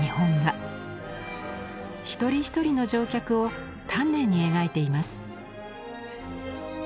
一人一人の乗客を丹念に描いています。